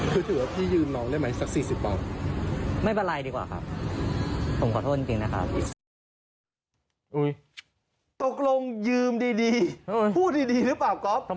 คือถือว่าพี่ยืมน้องได้ไหมสัก๔๐บาท